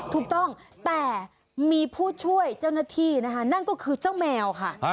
ถูกต้องแต่มีผู้ช่วยเจ้าหน้าที่นะคะนั่นก็คือเจ้าแมวค่ะ